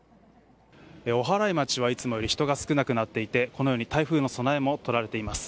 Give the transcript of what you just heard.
おはらい町はいつもより人が少なくなっていまして台風の備えもとられています。